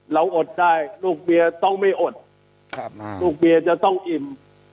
เราอดได้ลูกเบียร์ต้องไม่อดครับมากลูกเบียร์จะต้องอิ่ม